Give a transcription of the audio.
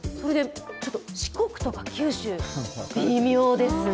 四国とか九州、微妙ですね。